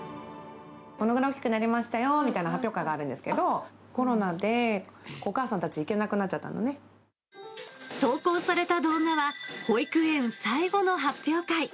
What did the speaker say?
このくらい大きくなりましたよみたいな発表会があるんですけど、コロナでお母さんたち、投稿された動画は保育園最後の発表会。